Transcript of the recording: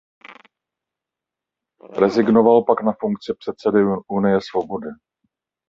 Rezignoval pak na funkci předsedy Unie svobody.